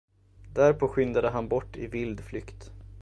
Därpå skyndade han bort i vild flykt.